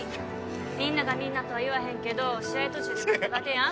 みんながみんなとは言わへんけど試合途中でバテバテやん？